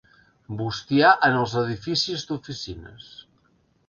Bustiar en els edificis d'oficines.